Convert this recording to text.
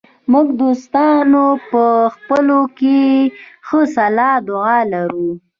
موږ دوستان په خپلو کې ښه سلام دعا لرو.